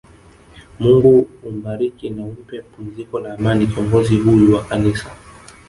Mungu umbariki na umpe pumziko la Amani kiongozi huyu wa kanisa